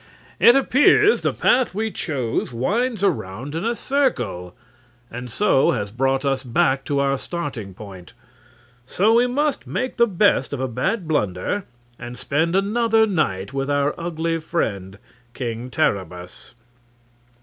"It appears the path we chose winds around in a circle, and so has brought us back to our starting point. So we must make the best of a bad blunder and spend another night with our ugly friend King Terribus."